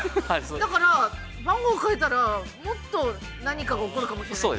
だから、番号変えたらもっと何かが起こるかもしれない。